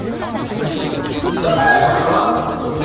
産まれたの！？